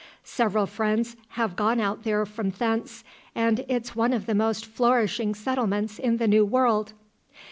"Several friends have gone out there from thence, and it's one of the most flourishing settlements in the New World."